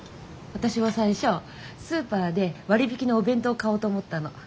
私は最初スーパーで割引のお弁当を買おうと思ったの。